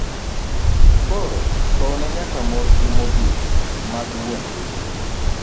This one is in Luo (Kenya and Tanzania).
Koro kowne nyaka mos gi mogik mag wuon gi.